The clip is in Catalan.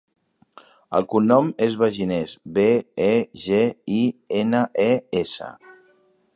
El cognom és Begines: be, e, ge, i, ena, e, essa.